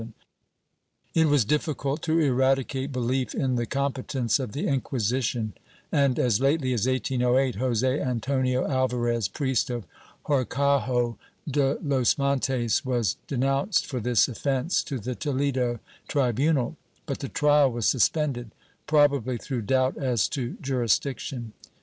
^ It was difficult to eradicate belief in the competence of the Inquisition and, as lately as 1808, Jose Antonio Alvarez, priest of Horcajo de los Montes, was denounced for this offence to the Toledo tribu nal, but the trial was suspended, probably through doubt as to jurisdiction.